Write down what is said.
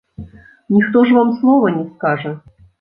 Ніхто ж вам слова не скажа!